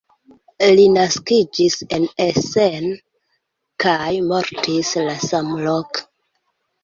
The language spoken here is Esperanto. Li naskiĝis en Essen kaj mortis la samloke.